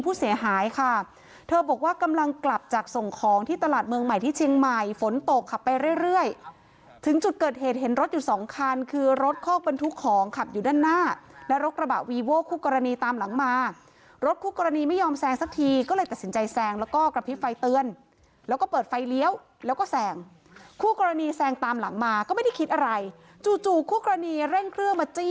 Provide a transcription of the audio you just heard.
ผู้เสียหายค่ะเธอบอกว่ากำลังกลับจากส่งของที่ตลาดเมืองใหม่ที่เชียงใหม่ฝนตกขับไปเรื่อยถึงจุดเกิดเหตุเห็นรถอยู่สองคันคือรถคอกเป็นทุกของขับอยู่ด้านหน้าและรถกระบะวีวัลคู่กรณีตามหลังมารถคู่กรณีไม่ยอมแซงสักทีก็เลยตัดสินใจแซงแล้วก็กระพริบไฟเตือนแล้วก็เปิดไฟเลี้ยวแล้วก็แสงคู่